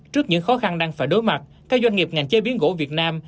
trước những khó khăn đang phải đối mặt các doanh nghiệp ngành chế biến gỗ việt nam